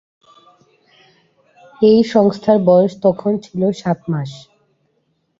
এই সংস্থার বয়স তখন ছিল সাত মাস।